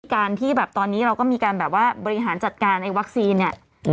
การที่แบบตอนนี้เราก็มีการแบบว่าบริหารจัดการไอ้วัคซีนเนี่ย